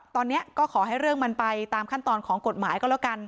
ตอนนี้ก็ขอให้เรื่องมันไปตามขั้นตอนของกฎหมายก็แล้วกัน